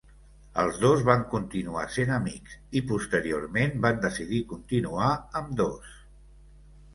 Els dos van continuar sent amics i, posteriorment, van decidir continuar amb Dos.